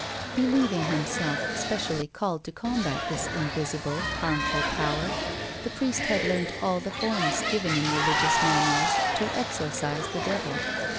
Believing himself specially called to combat this invisible, harmful Power, the priest had learnt all the forms given in religious manuals to exorcise the devil.